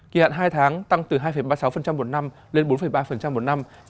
kỳ hạn hai tháng tăng từ hai ba mươi sáu một năm lên bốn ba một năm